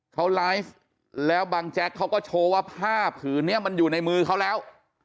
เขาไลฟ์แล้วบังแจ๊กเขาก็โชว์ว่าผ้าผืนนี้มันอยู่ในมือเขาแล้ว